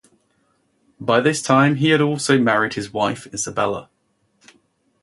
By this time he had also married his wife Isabella.